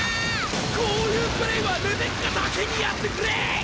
こういうプレイはレベッカだけにやってくれ！